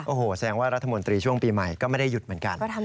โอ้โหแสดงว่ารัฐมนตรีช่วงปีใหม่ก็ไม่ได้หยุดเหมือนกัน